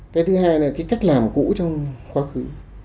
cái thứ hai là cái cách làm cũ trong quá khứ